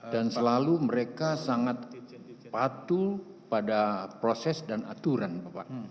dan selalu mereka sangat patuh pada proses dan aturan bapak